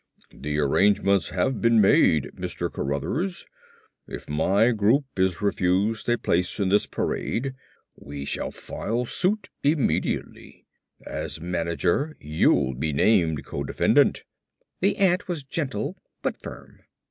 "The arrangements have been made, Mr. Cruthers. If my group is refused a place in this parade we shall file suit immediately. As manager you'll be named co defendant." The ant was gentle but firm.